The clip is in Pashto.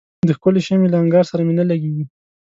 د ښکلي شمعي له انګار سره مي نه لګیږي